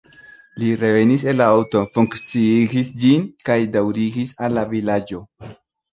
Li revenis en la aŭton, funkciigis ĝin kaj daŭrigis al la vilaĝo.